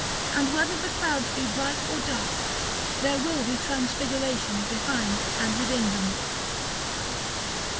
And, whether the clouds be bright or dark, there will be transfiguration behind and within them.